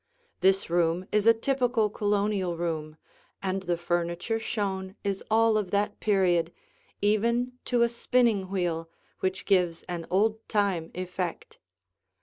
This room is a typical Colonial room, and the furniture shown is all of that period, even to a spinning wheel which gives an old time effect.